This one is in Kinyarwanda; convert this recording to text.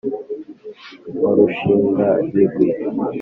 wa rushingabigwi